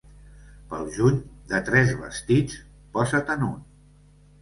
Pel juny, de tres vestits, posa-te'n un.